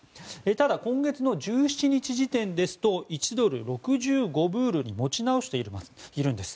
ただ、今月１７日時点ですと１ドル＝６５ルーブルに持ち直しています。